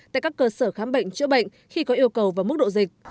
tại các cơ sở khám bệnh chữa bệnh khi có yêu cầu và mức độ dịch